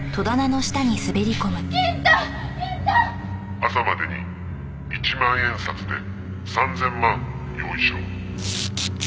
「朝までに１万円札で３０００万用意しろ」